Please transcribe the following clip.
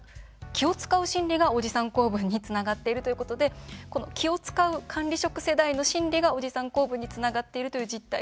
気を遣う心理がおじさん構文につながっているということで気を遣う管理職世代の心理がおじさん構文につながっているという実態